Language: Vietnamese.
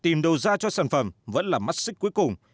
tìm đầu ra cho sản phẩm vẫn là mắt xích cuối cùng